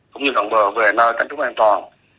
cũng như gọn bờ về nơi tấn trúc an toàn